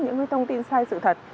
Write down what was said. những thông tin sai sự thật